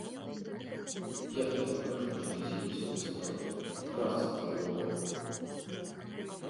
Я табе пакажу, як здзекі з мяне строіць, трасца табе ў бок!